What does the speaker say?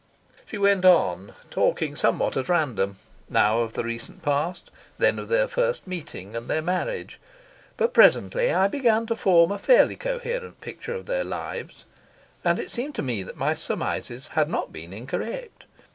She went on, talking somewhat at random, now of the recent past, then of their first meeting and their marriage; but presently I began to form a fairly coherent picture of their lives; and it seemed to me that my surmises had not been incorrect.